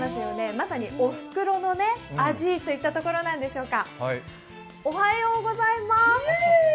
まさにおふくろの味といったところなんでしょうか。